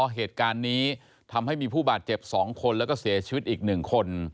เหตุการณ์นี้ทำให้มีผู้บาดเจ็บ๒คนแล้วก็เสียชีวิตอีก๑คน